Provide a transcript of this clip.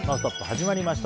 始まりました。